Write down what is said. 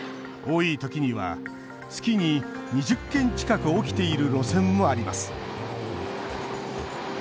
多いときには月に２０件近く起きている路線もあります。